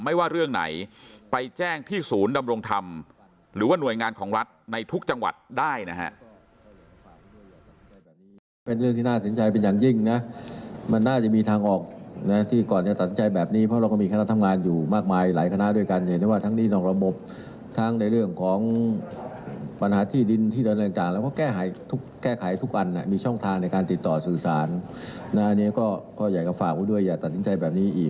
ไม่ว่าเรื่องไหนไปแจ้งที่ศูนย์ดำรงธรรมหรือว่าหน่วยงานของรัฐในทุกจังหวัดได้นะฮะ